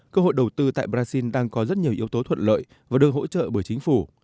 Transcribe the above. cơ hội đầu tư tại brazil đang có rất nhiều yếu tố thuận lợi và được hỗ trợ bởi chính phủ